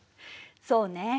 そうね。